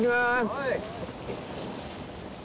はい。